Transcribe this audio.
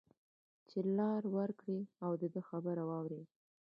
چې لار ورکړی او د ده خبره واوري